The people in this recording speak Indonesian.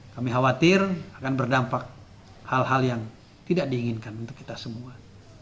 kami khawatir akan berdampak hal hal yang tidak diinginkan untuk kita semua